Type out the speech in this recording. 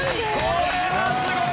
これはすごい！